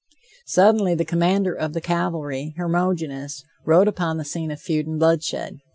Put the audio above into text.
Suddenly the commander of the cavalry, Hermogenes, rode upon the scene of feud and bloodshed.